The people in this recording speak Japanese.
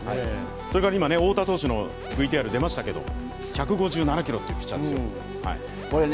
今、翁田投手のＶＴＲが出ましたけど、１５７キロというピッチャーです。